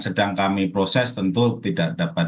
sedang kami proses tentu tidak dapat